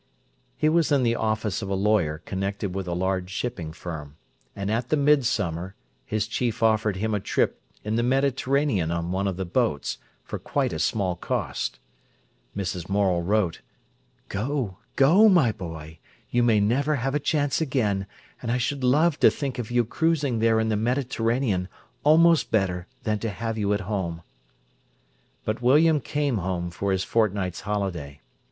He was in the office of a lawyer connected with a large shipping firm, and at the midsummer his chief offered him a trip in the Mediterranean on one of the boats, for quite a small cost. Mrs. Morel wrote: "Go, go, my boy. You may never have a chance again, and I should love to think of you cruising there in the Mediterranean almost better than to have you at home." But William came home for his fortnight's holiday.